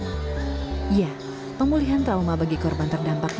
hal itu juga yang dilakukan oleh pihak pt angkasa pura bandara infantile